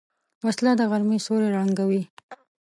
وسله د غرمې سیوری ړنګوي